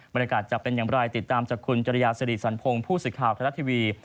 บรรยากาศจะเป็นอย่างไรติดตามจากคุณจริยาศรีสันพงศ์ผู้สิทธิ์ข่าวธรรมดาทีวี